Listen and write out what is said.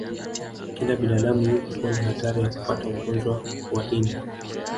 kila binadamu yupo kwenye hatari ya kupata ugonjwa wa ini